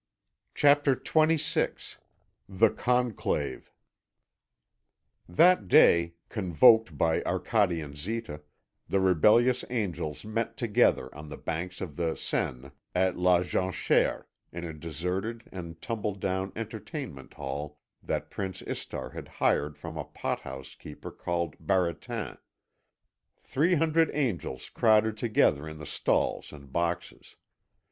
CHAPTER XXVI THE CONCLAVE That day, convoked by Arcade and Zita, the rebellious angels met together on the banks of the Seine at La Jonchère, in a deserted and tumble down entertainment hall that Prince Istar had hired from a pot house keeper called Barattan. Three hundred angels crowded together in the stalls and boxes.